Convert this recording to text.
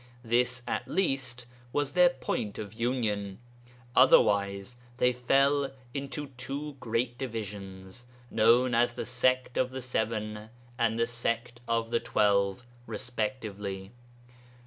This at least was their point of union; otherwise they fell into two great divisions, known as the 'Sect of the Seven' and the 'Sect of the Twelve' respectively.